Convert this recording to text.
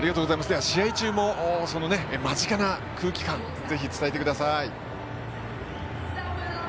では、試合中も間近での空気感をぜひ伝えてください。